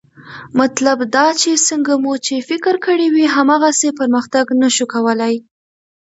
مطلب دا چې څنګه مو چې فکر کړی وي، هماغسې پرمختګ نه شو کولی